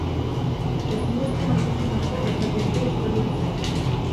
Ezinezko maitasun asko gertatu dira historian zehar.